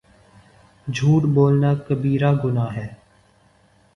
جھوٹ بولنا کبیرہ گناہ ہے